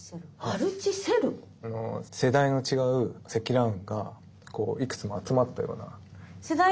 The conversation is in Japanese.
世代の違う積乱雲がこういくつも集まったような雲です。